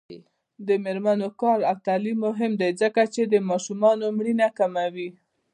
د میرمنو کار او تعلیم مهم دی ځکه چې ماشومانو مړینه کموي.